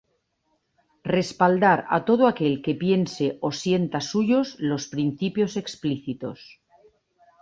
Respaldar a todo aquel que piense o sienta suyos los principios explícitos.